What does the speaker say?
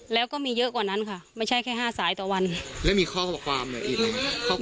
แล้วก็มีเยอะกว่านั้นค่ะไม่ใช่แค่ห้าสายต่อวันแล้วมีข้อความเนี่ยอีกไหม